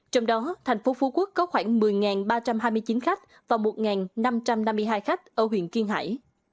trong đó thành phố phú quốc có khoảng một mươi ba trăm hai mươi chín khách và một năm trăm năm mươi hai khách ở huyện kiên hải